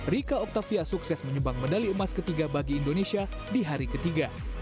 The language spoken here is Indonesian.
rika octavia sukses menyumbang medali emas ketiga bagi indonesia di hari ketiga